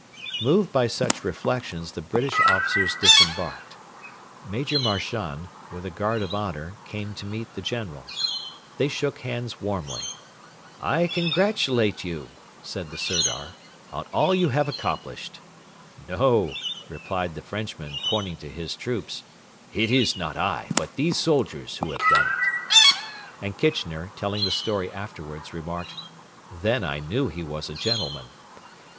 Moved by such reflections the British officers disembarked. Major Marchand, with a guard of honour, came to meet the General. They shook hands warmly. 'I congratulate you,' said the Sirdar, 'on all you have accomplished.' 'No,' replied the Frenchman, pointing to his troops; 'it is not I, but these soldiers who have done it.' And Kitchener, telling the story afterwards, remarked, 'Then I knew he was a gentleman.'